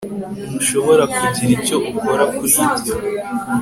Ntushobora kugira icyo ukora kuri ibyo